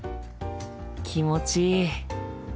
気持ちいい。